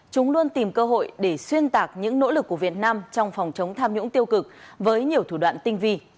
chúng luôn tìm cơ hội để xuyên tạc những nỗ lực của việt nam trong phòng chống tham nhũng tiêu cực với nhiều thủ đoạn tinh vi